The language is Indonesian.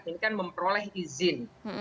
ini kan memperoleh izin